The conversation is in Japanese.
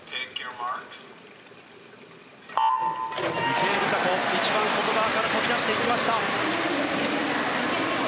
池江璃花子、一番外側から飛び出していきました。